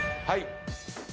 はい。